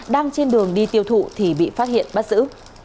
đang trên đường đi tiêu thụ thì bị phát hiện bắt giữ